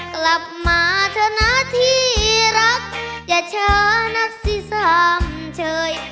กลับมาเถอะนะที่รักอย่าช้านักสิสามเฉย